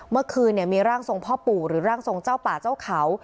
เมื่อคืนมีร่างทรงพ่อปู่หรือร่างทรงเจ้าป่าเจ้าเขา